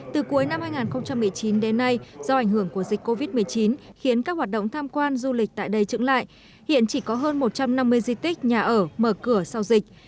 từ cuối năm hai nghìn một mươi chín đến nay do ảnh hưởng của dịch covid một mươi chín khiến các hoạt động tham quan du lịch tại đây trưởng lại hiện chỉ có hơn một trăm năm mươi di tích nhà ở mở cửa sau dịch